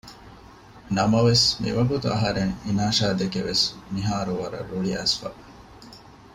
ނަމަވެސް މިވަގުތު އަހަރެން އިނާޝާދެކެ ވެސް މިހުރީ ވަރަށް ރުޅިއައިސްފަ